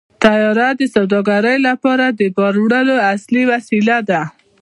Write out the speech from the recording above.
طیاره د سوداګرۍ لپاره د بار وړلو اصلي وسیله ده.